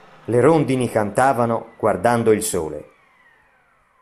Le rondini cantavano guardando il sole.